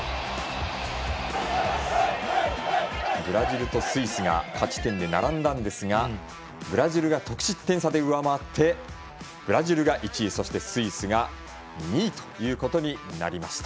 ブラジルとスイスが勝ち点で並んだんですがブラジルが得失点差で上回ってブラジルが１位そしてスイスが２位ということになりました。